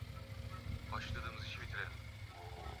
aina ya A I C wanaheshimu cheo cha Uaskofu Lakini kimataifa sehemu